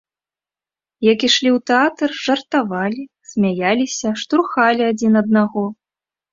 Як ішлі ў тэатр, жартавалі, смяяліся, штурхалі адзін аднаго.